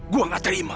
gua gak terima